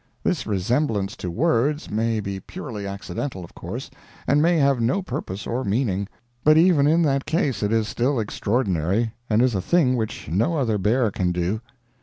This resemblance to words may be purely accidental, of course, and may have no purpose or meaning; but even in that case it is still extraordinary, and is a thing which no other bear can do.